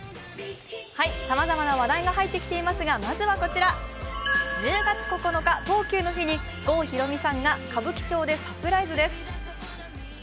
さまざまな話題が入ってきていますが、まずはこちら、１０月９日、とうきゅうの日に郷ひろみさんが歌舞伎町でサプライズです。